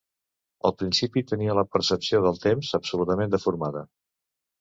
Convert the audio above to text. Al principi tenia la percepció del temps absolutament deformada.